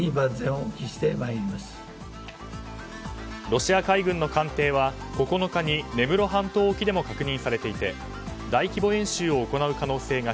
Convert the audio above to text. ロシア海軍の艦艇は９日に根室半島沖でも確認されていて大規模演習を行う可能性が